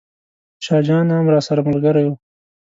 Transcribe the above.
شاه جان هم راسره ملګری و.